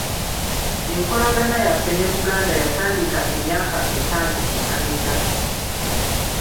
Enkolagana yaffe ne Buganda yatandika emyaka etaano emabega.